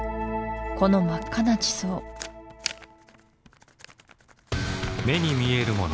この真っ赤な地層目に見えるもの